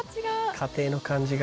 家庭の感じが。